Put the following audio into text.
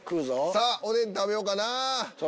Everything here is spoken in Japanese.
さぁおでん食べようかな。